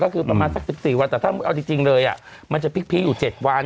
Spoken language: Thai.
ก็คือประมาณสัก๑๔วันแต่ถ้าเอาจริงเลยมันจะพีคอยู่๗วัน